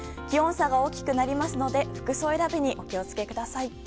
気温差が大きくなりますので服装選びにお気をつけください。